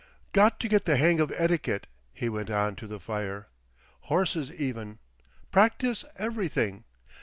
"Got to get the hang of etiquette," he went on to the fire. "Horses even. Practise everything.